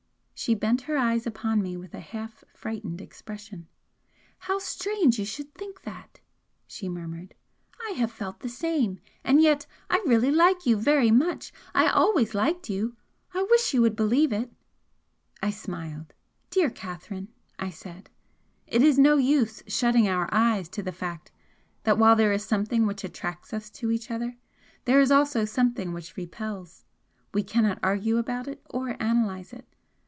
She bent her eyes upon me with a half frightened expression. "How strange you should think that!" she murmured "I have felt the same and yet I really like you very much I always liked you I wish you would believe it!" I smiled. "Dear Catherine," I said "it is no use shutting our eyes to the fact that while there is something which attracts us to each other, there is also something which repels. We cannot argue about it or analyse it.